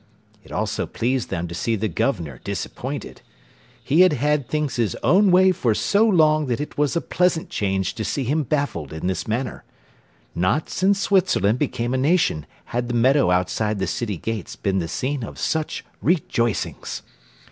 It also pleased them to see the Governor disappointed. He had had things his own way for so long that it was a pleasant change to see him baffled in this manner. Not since Switzerland became a nation had the meadow outside the city gates been the scene of such rejoicings.